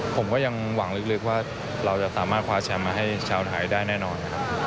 ผมก็ยังหวังลึกว่าเราจะสามารถคว้าแชมป์มาให้ชาวไทยได้แน่นอนนะครับ